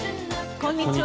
こんにちは。